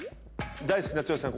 大好きな剛さん